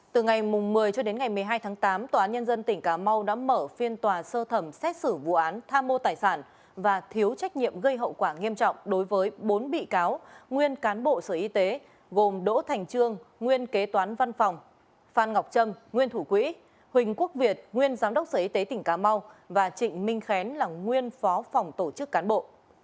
từ ngày một mươi một mươi hai tháng tám tòa án nhân dân tỉnh cà mau đã mở phiên tòa sơ thẩm xét xử vụ án tha mô tài sản và thiếu trách nhiệm gây hậu quả nghiêm trọng đối với bốn bị cáo nguyên cán bộ sở y tế gồm đỗ thành trương nguyên kế toán văn phòng phan ngọc trâm nguyên thủ quỹ huỳnh quốc việt nguyên giám đốc sở y tế tỉnh cà mau và trịnh minh khén là nguyên phó phòng tổ chức cán bộ